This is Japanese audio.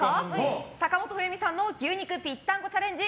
坂本冬美さんの牛肉ぴったんこチャレンジ